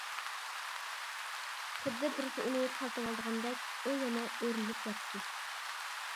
خۇددى بىرسى ئۇنى تارتىۋالىدىغاندەك. ئۇ يەنە ئۆرۈلۈپ ياتتى.